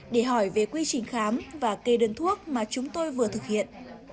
để hỏi về quy trình khám và kê đơn thuốc mà chúng tôi vừa thực hiện